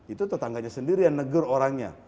itu tetangganya sendiri yang negur orangnya